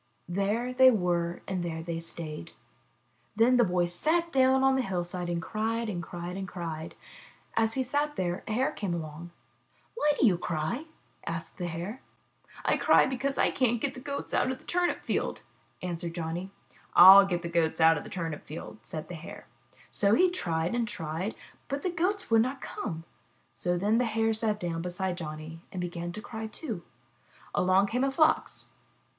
There they were and there they stayed. Then the boy sat down on the hillside and cried and cried and cried. As he sat there a Hare came along. Why do you cry?*' asked the Hare. '' I cry because I can' t get the Goats out of the turnip field,'' answered Johnny. *'/'// get the Goats out of the turnip field," said the Hare. So he tried and he tried, but the Goats would not come. Then the Hare sat down beside Johnny and began to cry, too. Along came a Fox.